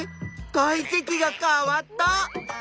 体積が変わった！